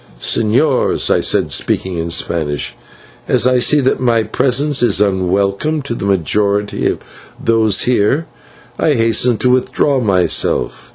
"Señors," I said, speaking in Spanish, "as I see that my presence is unwelcome to the majority of those here, I hasten to withdraw myself.